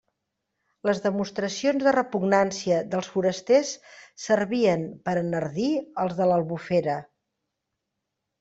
Les demostracions de repugnància dels forasters servien per a enardir els de l'Albufera.